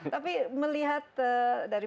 tapi melihat dari